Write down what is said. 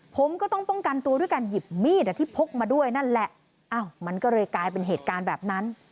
ผมก็ต้องป้องกันตัวด้วยการหยิบมีดที่พกมาด้วยนั่นแหละอ้าวมันก็เลยกลายเป็นเหตุการณ์แบบนั้น